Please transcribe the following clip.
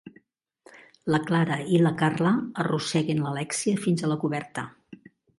La Clara i la Carla arrosseguen l'Alèxia fins a la coberta.